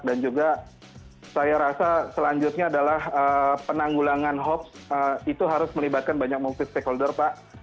dan juga saya rasa selanjutnya adalah penanggulangan hops itu harus melibatkan banyak multi stakeholder pak